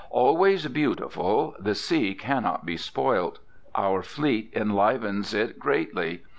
Always beautiful! the sea cannot be spoilt. Our fleet enlivens it greatly.